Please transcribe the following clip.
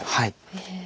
へえ。